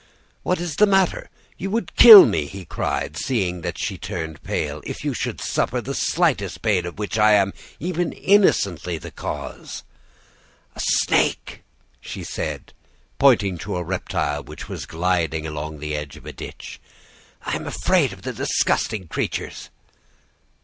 "'What is the matter? You would kill me,' he cried, seeing that she turned pale, 'if you should suffer the slightest pain of which I am, even innocently, the cause.' "'A snake!' she said, pointing to a reptile which was gliding along the edge of a ditch. 'I am afraid of the disgusting creatures.